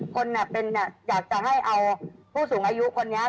คนเป็นอยากจะให้เอาพูดสูงอายุคนเนี่ย